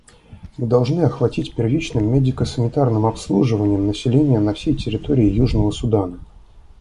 Мы должны охватить первичным медико-санитарным обслуживанием население на всей территории Южного Судана.